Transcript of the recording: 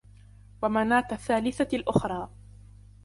وَمَنَاةَ الثَّالِثَةَ الْأُخْرَى